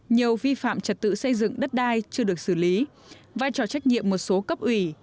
nhiều vi phạm trật tự xây dựng đất đai chưa được xử lý vai trò trách nhiệm một số cấp ủy